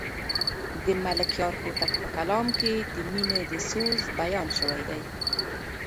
د ملکیار هوتک په کلام کې د مینې د سوز بیان شوی دی.